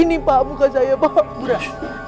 ini paham bukan saya paham